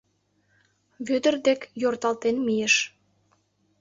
Вӧдыр дек йорталтен мийыш: